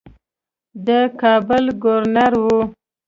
د کابل ګورنر وو.